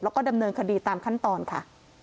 แล้วก็ดำเนินคดีตามขั้นตอนค่ะ